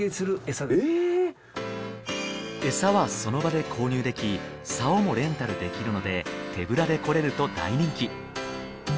餌はその場で購入でき竿もレンタルできるので手ぶらで来れると大人気。